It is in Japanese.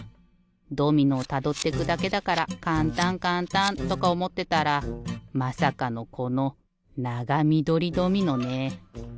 ドミノをたどってくだけだからかんたんかんたんとかおもってたらまさかのこのながみどりドミノね。